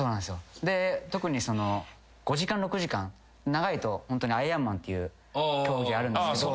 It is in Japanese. で特に５時間６時間長いとアイアンマンっていう競技あるんですけど。